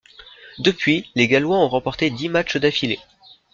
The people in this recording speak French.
Depuis, les gallois ont remporté dix match d'affilée.